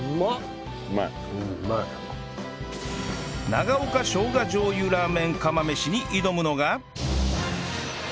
長岡生姜醤油ラーメン釜飯に挑むのが